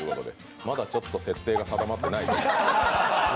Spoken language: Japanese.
まだちょっと設定が定まってない。